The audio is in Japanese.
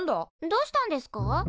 どうしたんですか？